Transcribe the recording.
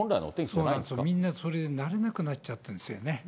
そうなんですよ、みんな、それに慣れなくなっちゃってるんですよね。